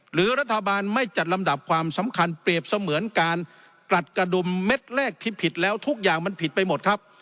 หรือรัฐบาลไม่จัดลำดับความสำคัญเปรียบเสมือนการกลัดกระดุมเม็ดแรกที่ผิดแล้วทุกอย่างมันผิดไปหมดครับ